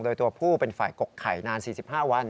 โดยตัวผู้เป็นฝ่ายกกไข่นาน๔๕วัน